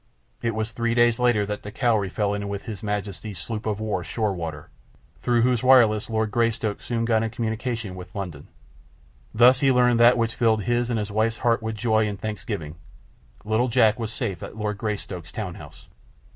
It was three days later that the Cowrie fell in with H.M. sloop of war Shorewater, through whose wireless Lord Greystoke soon got in communication with London. Thus he learned that which filled his and his wife's heart with joy and thanksgiving—little Jack was safe at Lord Greystoke's town house.